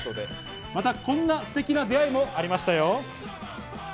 またこんなステキな出会いもありましたよ。